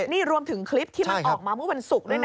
นี่รวมถึงคลิปที่มันออกมาเมื่อวันศุกร์ด้วยนะ